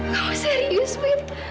kamu serius fit